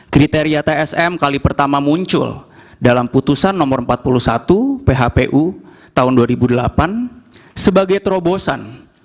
kriteria tsm kali pertama muncul dalam putusan no empat puluh satu phpu tahun dua ribu delapan sebagai terobosan